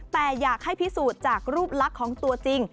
แต่อยากให้พิสูจน์จากรูปลักษณ์ของตัวจริง